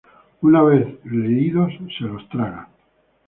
Una vez leídos, se los traga.